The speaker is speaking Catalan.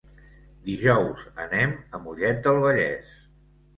Dijous anem a Mollet del Vallès.